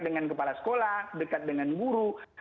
dengan kepala sekolah dekat dengan guru